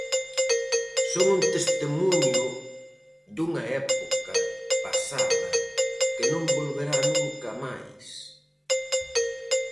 Son un testemuño dunha época pasada que non volverá nunca máis.